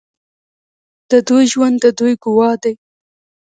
د دوی ژوند د دوی ګواه دی.